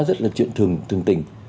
rất là chuyện thường tình